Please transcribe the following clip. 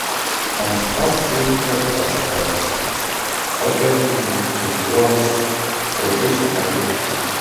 Only the first three characters are listed, corresponding to the Forward Sortation Area.